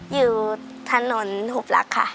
อยู่ถนนหบรักค่ะ